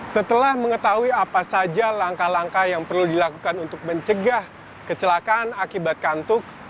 setelah mengetahui apa saja langkah langkah yang perlu dilakukan untuk mencegah kecelakaan akibat kantuk